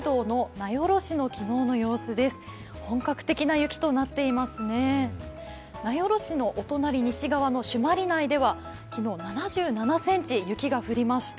名寄市のお隣の朱鞠内では昨日７７ｃｍ雪が降りました。